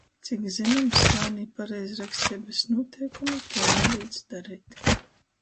Cik zynoms, jaunī pareizraksteibys nūteikumi tuo nalīdz dareit...